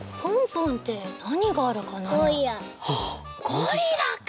ゴリラか！